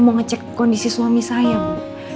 mau ngecek kondisi suami saya bu